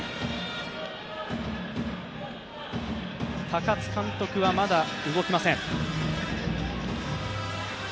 高津監督はまだ動きません。